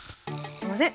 すいません！